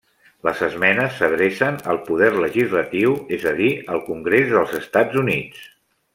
Les esmenes s'adrecen al poder legislatiu, és a dir, al Congrés dels Estats Units.